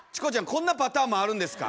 こんなパターンもあるんですか？